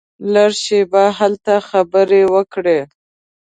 لږه شېبه هلته خبرې وکړې.